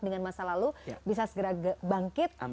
dengan masa lalu bisa segera bangkit